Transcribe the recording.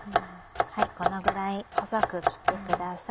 このぐらい細く切ってください。